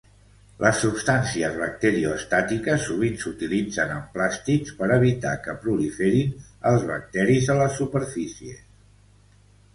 Les substàncies bacteriostàtiques sovint s'utilitzen en plàstics per evitar que proliferin els bacteris a les superfícies.